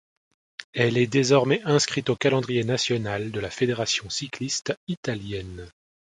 Elle est désormais inscrite au calendrier national de la Fédération cycliste italienne.